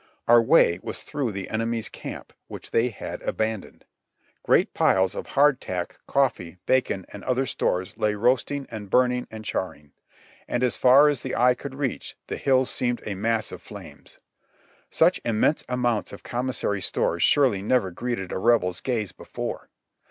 Our way was through the enemy's camp, w^hich they had abandoned. Great piles of hard tack, coffee, bacon and other 170 JOHNNY REB AND BILI,Y YANK stores lay roasting and burning and charring; and as far as the eye could reach, the hills seemed a mass of flames. Such im mense amounts of commissary stores surely never greeted a Rebel's gaze before